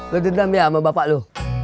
lo didendam ya sama bapak lo